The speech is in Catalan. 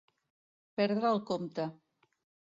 Perdre el compte.